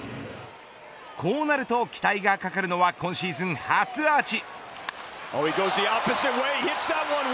こうなると期待がかかるのは今シーズン初アーチ。